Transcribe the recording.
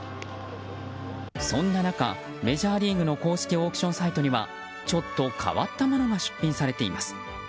そんな中、メジャーリーグの公式オークションサイトにはちょっと変わったものが出品されています。